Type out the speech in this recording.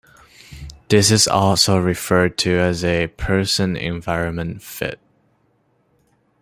This is also referred to as a person-environment fit.